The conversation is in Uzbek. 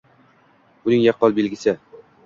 Buning yaqqol belgisi